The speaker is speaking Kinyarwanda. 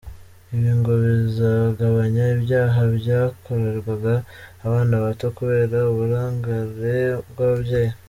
Ibi ngo bizagabanya ibyaha byakorerwaga abana bato kubera uburangare bw’ababyeyi.